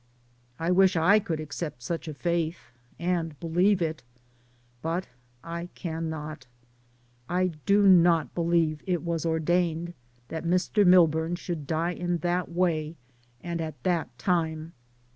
I wish I could accept such a faith, and be lieve it, but I cannot. I do not believe it was ordained that Mr. Milburn should die in that way and at that time.